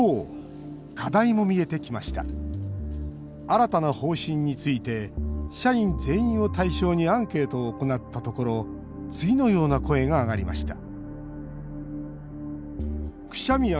新たな方針について社員全員を対象にアンケートを行ったところ次のような声が上がりました